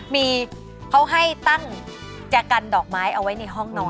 มีเขาให้ตั้งแจกันดอกไม้เอาไว้ในห้องนอน